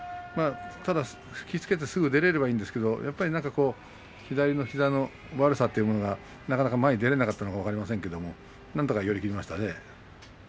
引き付けてすぐに出られればいいんですけれども左の膝の悪さというのはなかなか前に出られなかったのか分かりませんがなんとか寄り切りましたね。